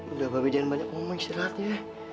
udah pak be jangan banyak ngomong istirahat ya